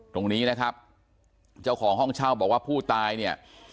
ตรงนี้นะครับเจ้าของห้องเช่าบอกว่าผู้ตายเนี่ย